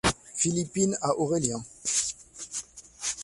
Philippine a Aurélien.